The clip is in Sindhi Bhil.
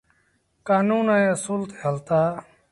ڪآنون ائيٚݩ اسول تي هلتآ۔